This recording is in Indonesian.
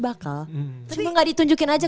bakal cuma gak ditunjukin aja